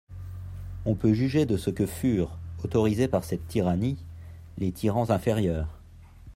On peut juger de ce que furent (autorisés par cette tyrannie) les tyrans inférieurs.